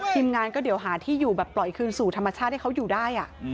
ทีมงานก็เดี๋ยวหาที่อยู่แบบปล่อยคืนสู่ธรรมชาติให้เขาอยู่ได้